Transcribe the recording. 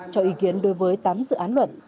cho ý kiến đối với tám dự án luật